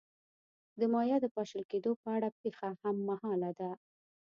د مایا د پاشل کېدو په اړه پېښه هممهاله ده.